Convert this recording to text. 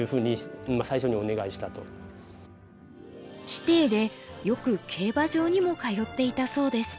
師弟でよく競馬場にも通っていたそうです。